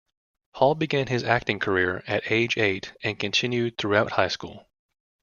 Hall began his acting career at age eight and continued throughout high school.